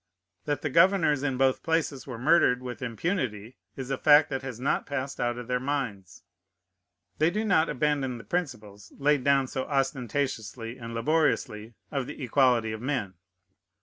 That the governors in both places were murdered with impunity is a fact that has not passed out of their minds. They do not abandon the principles, laid down so ostentatiously and laboriously, of the equality of men.